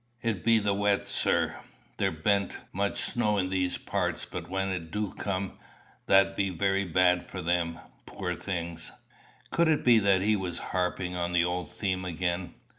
It be the wet, sir. There ben't much snow in these parts; but when it du come, that be very bad for them, poor things!" Could it be that he was harping on the old theme again?